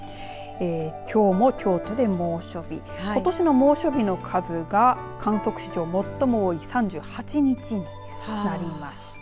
きょうも京都で猛暑日ことしの猛暑日の数が観測史上最も多い３８日になりました。